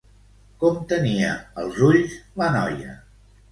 Com tenia els ulls la noia?